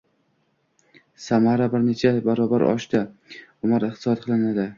– samara bir necha barobar oshadi, umr iqtisod qilinadi.